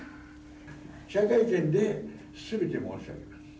記者会見ですべて申し上げます。